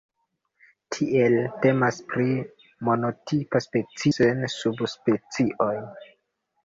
Tiele temas pri monotipa specio, sen subspecioj.